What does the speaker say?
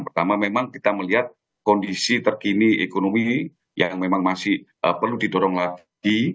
pertama memang kita melihat kondisi terkini ekonomi yang memang masih perlu didorong lagi